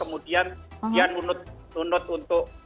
kemudian yang menunut untuk populer